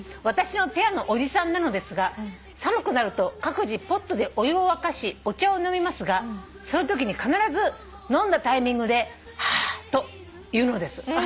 「私のペアのおじさんなのですが寒くなると各自ポットでお湯を沸かしお茶を飲みますがそのときに必ず飲んだタイミングでハァと言うのです。